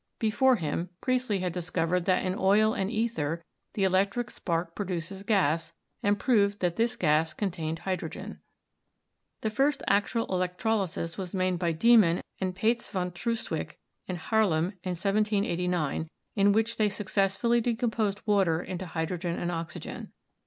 Be fore him, Priestley had discovered that in oil and ether the electric spark produces gas, and proved that this gas contained hydrogen. The first actual electrolysis was made by Deimann and Paets van Troostwyk in Haarlem in 1789, in which they successfully decomposed water into hydrogen and oxygen.